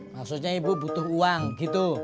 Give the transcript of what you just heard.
maksudnya ibu butuh uang gitu